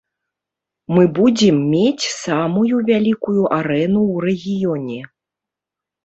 Мы будзем мець самую вялікую арэну ў рэгіёне.